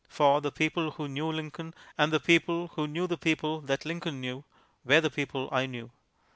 For the people who knew Lincoln, and the people who knew the people that Lincoln knew, were the people I knew.